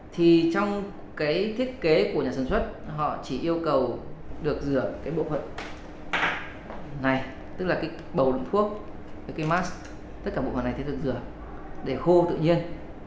thì trong cái thiết kế của nhà sản xuất họ chỉ yêu cầu được rửa cái bộ phần này tức là cái bầu thuốc cái mask tất cả bộ phần này thì được rửa để khô tự nhiên